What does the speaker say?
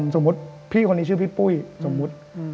สมมุติพี่คนนี้ชื่อพี่ปุ้ยสมมุติ